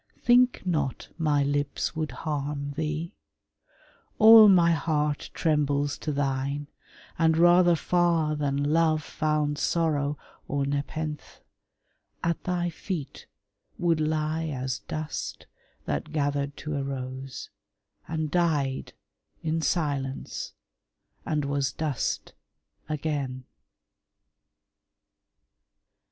Think not my lips would harm thee: all my heart Trembles to thine, and, rather far than Love Found sorrow or nepenthe, at thy feet Would lie as dust that gathered to a rose, And died in silence, and was dust again.